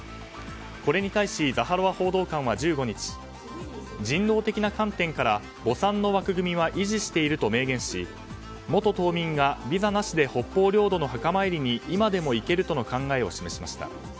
これに対しザハロワ報道官は１５日人道的な観点から墓参の枠組みは維持していると明言し元島民がビザなしで北方領土の墓参りに今でも行けるとの考えを示しました。